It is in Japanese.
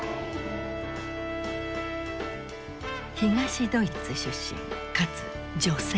東ドイツ出身かつ女性。